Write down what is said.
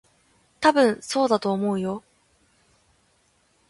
たぶん、そうだと思うよ。